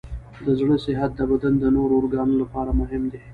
د زړه صحت د بدن د نورو ارګانونو لپاره مهم دی.